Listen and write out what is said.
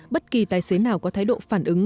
bất kỳ tài xế nào có thái độ phản ứng